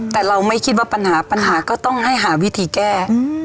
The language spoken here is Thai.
แต่เราไม่คิดว่าปัญหาปัญหาก็ต้องให้หาวิธีแก้